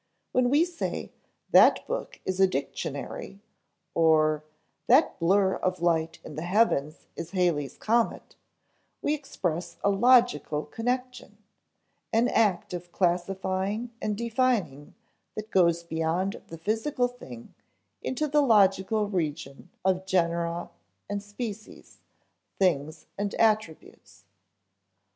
When we say "That book is a dictionary," or "That blur of light in the heavens is Halley's comet," we express a logical connection an act of classifying and defining that goes beyond the physical thing into the logical region of genera and species, things and attributes.